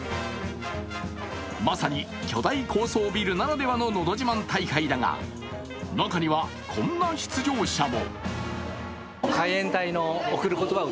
まさに巨大高層ビルならではののど自慢大会だが中には、こんな出場者も。